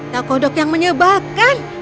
kak kodok yang menyebalkan